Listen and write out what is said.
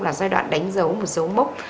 là giai đoạn đánh dấu một dấu mốc